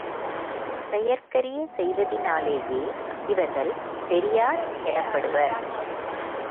செயற்கரிய செய்வதினாலேயே இவர்கள் பெரியார் எனப்படுவர்.